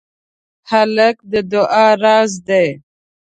هلک د دعا راز دی.